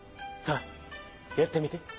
さあやってみて。